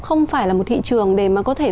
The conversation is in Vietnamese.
không phải là một thị trường để mà có thể